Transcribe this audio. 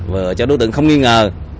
vừa cho đối tượng không nghi ngờ